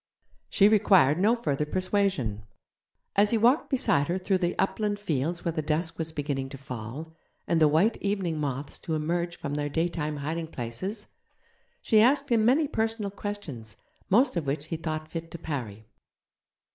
She required no further persuasion. As he walked beside her through the upland fields where the dusk was beginning to fall, and the white evening moths to emerge from their daytime hiding places, she asked him many personal questions, most of which he thought fit to parry.